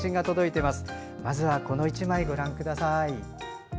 まずはこの１枚ご覧ください。